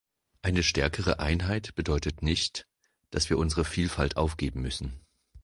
Eine stärkere Einheit bedeutet nicht, dass wir unsere Vielfalt aufgeben müssen.